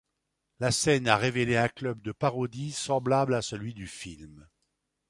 La scène a révélé un club de Parodie semblable à celui du film.